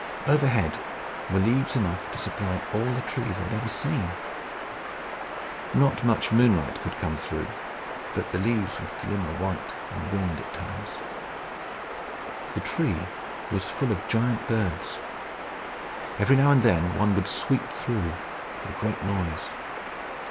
Overhead were leaves enough to supply all the trees they had ever seen. Not much moonlight could come through, but the leaves would glimmer white in the wind at times. The tree was full of giant birds. Every now and then, one would sweep through, with a great noise.